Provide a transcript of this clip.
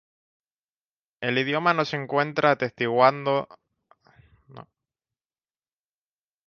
El idioma no se encuentra atestiguado en ninguna fuente contemporánea legible.